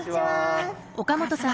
岡本さま